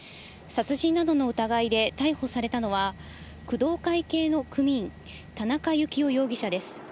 殺人などの疑いで逮捕されたのは、工藤会系の組員、田中幸雄容疑者です。